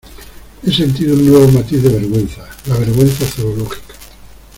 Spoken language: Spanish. he sentido un nuevo matiz de la vergüenza: la vergüenza zoológica.